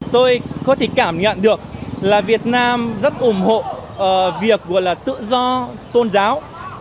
tôi có thể cảm nhận được là việt nam rất ủng hộ việc tự do tôn giáo